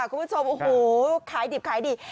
คุณผู้ชมขายดิบขายดี